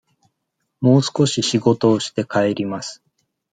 もう少し仕事をして、帰ります。